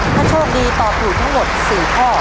ถ้าโชคดีตอบถูกทั้งหมด๔ข้อ